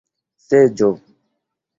seĝo